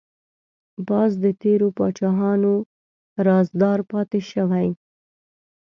باز د تیرو پاچاهانو رازدار پاتې شوی